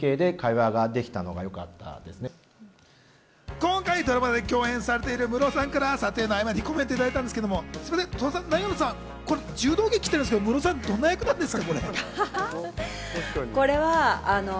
今回、ドラマで共演されているムロさんから撮影の合間にコメントをいただいたんですけれども、戸田さん、永野さん、柔道着を着ているんですけれども、これどんな役なんですか？